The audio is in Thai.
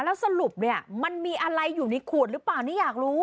แล้วสรุปเนี่ยมันมีอะไรอยู่ในขวดหรือเปล่านี่อยากรู้